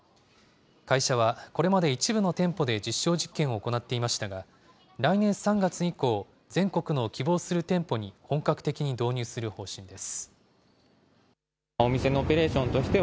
会社は、これまで一部の店舗で実証実験を行っていましたが、来年３月以降、全国の希望する店舗に本格的に導入する方針です。